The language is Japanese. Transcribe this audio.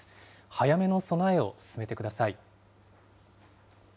早めの備えを進めてください。